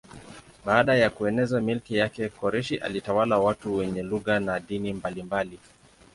Baada ya kueneza milki yake Koreshi alitawala watu wenye lugha na dini mbalimbali.